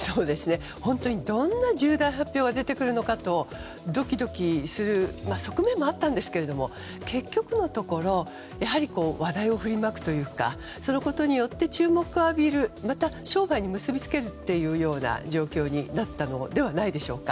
本当にどんな重大発表が出てくるのかとドキドキする側面もあったんですが結局のところやはり話題を振りまくというかそのことによって注目を浴びるまた、商売に結び付けるというような状況になったのではないでしょうか。